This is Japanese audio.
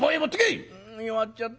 「弱っちゃったな。